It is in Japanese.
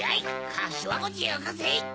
かしわもちよこせ！